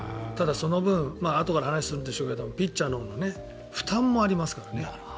ただ、その分あとから話をするんでしょうがピッチャーの負担もありますからね。